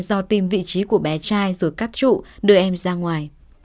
do tìm vị trí của bé trai rồi cắt trụ đưa em ra ngoài